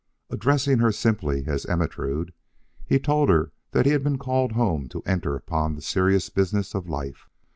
Addressing her simply as Ermentrude, he told her that he had been called home to enter upon the serious business of life.